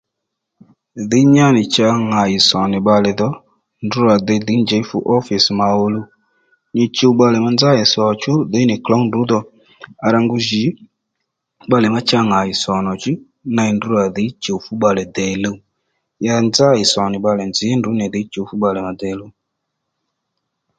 Dhǐy nyá nì cha ŋà ì sò nì bbalè dho ndrǔ rà dey dhǐ njèy ófìs mà òluw nyi chuw bbalè má nzá i sò chú dhǐy nì klǒw ndrǔ dho à rà ngu jì bbalè má cha ŋà ì sò nì ney ndrǔ rà dhǐy chùw fú bbalè dè luw ya nzá ì sò nì bbalè nzǐ ndrǔ nì ddíy chǔw fú bbalè mà dè luw